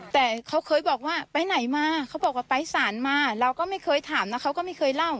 แต่เขาเคยบอกว่าไปไหนมาเขาบอกว่าไปสารมาเราก็ไม่เคยถามนะเขาก็ไม่เคยเล่า